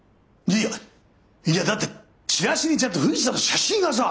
いやいやだってチラシにちゃんと富士山の写真がさ。